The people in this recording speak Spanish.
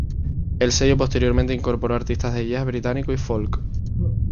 El sello posteriormente incorporó artistas de jazz británico y folk.